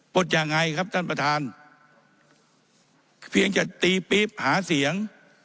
ดยังไงครับท่านประธานเพียงจะตีปี๊บหาเสียง